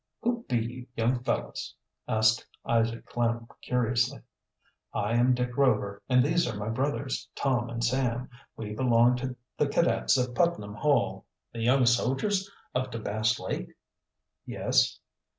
"Who be you young fellows?" asked Isaac Klem curiously. "I am Dick Rover, and these are my brothers Tom and Sam. We belong to the cadets of Putnam Hall." "The young sodgers up to Bass Lake?" "Yes."